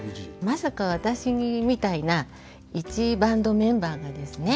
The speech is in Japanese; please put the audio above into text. まさか私みたいないちバンドメンバーがですね